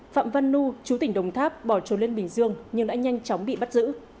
phạm văn nu chú tỉnh đồng tháp bỏ trốn lên bình dương nhưng đã nhanh chóng bị bắt giữ